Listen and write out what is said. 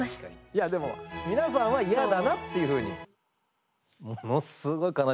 いやでも皆さんは嫌だなっていうふうに。